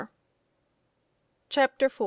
CHAPTER IV.